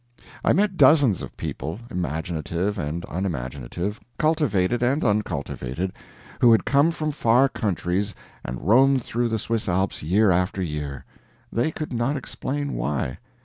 I met dozens of people, imaginative and unimaginative, cultivated and uncultivated, who had come from far countries and roamed through the Swiss Alps year after year they could not explain why.